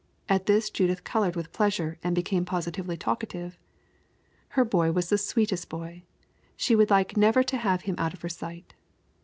At this Judith colored with pleasure and became positively talkative. Her boy was the sweetest boy she would like never to have him out of her sight.